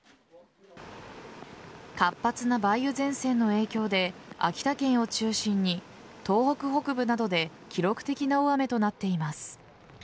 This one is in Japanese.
活発な梅雨前線の影響で秋田県を中心に東北北部などで記録的な大雨となっています。